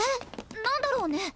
何だろうね。